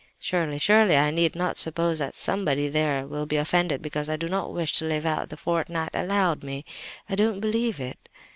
Surely—surely I need not suppose that Somebody—there—will be offended because I do not wish to live out the fortnight allowed me? I don't believe it.